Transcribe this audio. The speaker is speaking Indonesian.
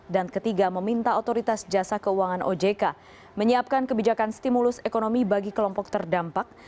dan ketiga meminta otoritas jasa keuangan ojk menyiapkan kebijakan stimulus ekonomi bagi kelompok terdampak